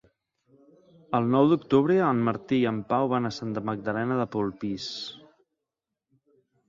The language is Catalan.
El nou d'octubre en Martí i en Pau van a Santa Magdalena de Polpís.